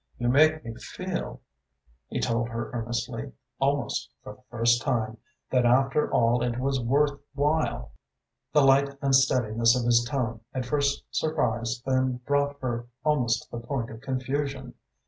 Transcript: "You make me feel," he told her earnestly, "almost for the first time, that after all it was worth while." The slight unsteadiness of his tone at first surprised, then brought her almost to the point of confusion.